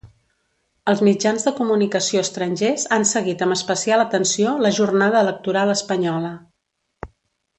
Els mitjans de comunicació estrangers han seguit amb especial atenció la jornada electoral espanyola.